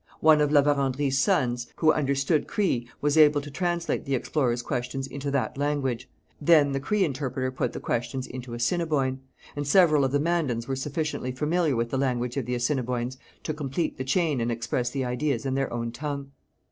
One of La Vérendrye's sons, who understood Cree, was able to translate the explorer's questions into that language; then the Cree interpreter put the questions into Assiniboine; and several of the Mandans were sufficiently familiar with the language of the Assiniboines to complete the chain and express the ideas in their own tongue.